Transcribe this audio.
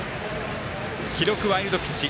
記録はワイルドピッチ。